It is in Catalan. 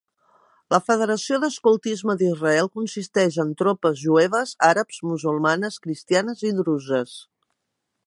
La federació d'escoltisme d'Israel consisteix en tropes jueves, àrabs, musulmanes, cristianes i druses.